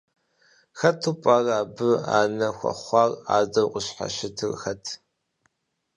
Хэту пӏэрэ абы анэ хуэхъуар, адэу къыщхьэщытыр хэт?